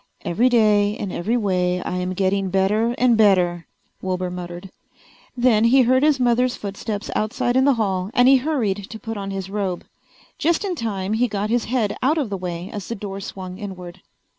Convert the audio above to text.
"Every day in every way I am getting better and better," Wilbur muttered. Then he heard his mother's footsteps outside in the hall and he hurried to put on his robe. Just in time he got his head out of the way as the door swung inward.